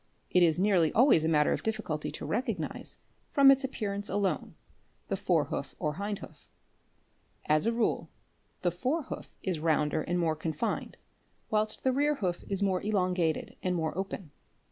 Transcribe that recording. It is nearly always a matter of difficulty to recognize, from its appearance alone, the fore hoof or hind hoof. As a rule the fore hoof is 'ounder and more confined whilst the rear hoof is more elongated and more pen.